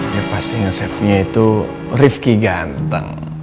ya pastinya save nya itu rifki ganteng